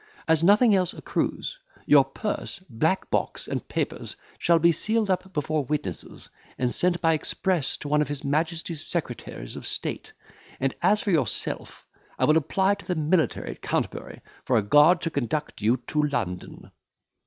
As nothing else accrues, your purse, black box, and papers shall be sealed up before witnesses, and sent by express to one of his Majesty's secretaries of state; and, as for yourself, I will apply to the military at Canterbury, for a guard to conduct you to London."